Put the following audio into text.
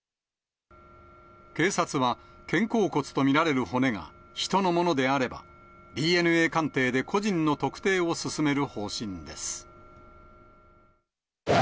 警察は、肩甲骨と見られる骨が人のものであれば、ＤＮＡ鑑定で個人の特定を進める方針です。